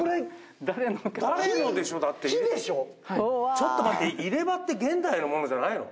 ちょっと待って入れ歯って現代のものじゃないの？